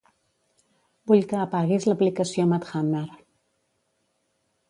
Vull que apaguis l'aplicació Mathhammer.